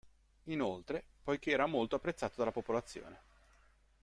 Inoltre, poiché era molto apprezzato dalla popolazione.